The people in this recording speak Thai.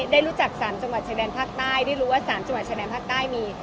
ได้รู้จัก๓จังหวัดชายแดนภาคใต้ได้รู้ว่า๓จังหวัดชายแดนภาคใต้มี